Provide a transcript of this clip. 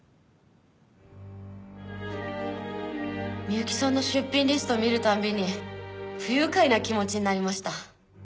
美由紀さんの出品リストを見るたびに不愉快な気持ちになりました。